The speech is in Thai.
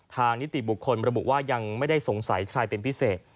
นิติบุคคลระบุว่ายังไม่ได้สงสัยใครเป็นพิเศษ